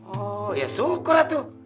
oh ya syukur lah tuh